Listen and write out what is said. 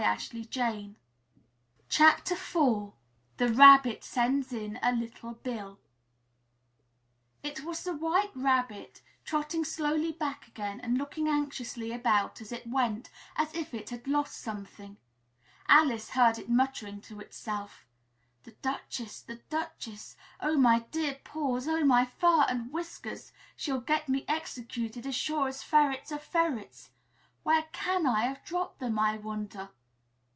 IV THE RABBIT SENDS IN A LITTLE BILL It was the White Rabbit, trotting slowly back again and looking anxiously about as it went, as if it had lost something; Alice heard it muttering to itself, "The Duchess! The Duchess! Oh, my dear paws! Oh, my fur and whiskers! She'll get me executed, as sure as ferrets are ferrets! Where can I have dropped them, I wonder?"